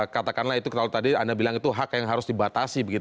katakanlah itu kalau tadi anda bilang itu hak yang harus dibatasi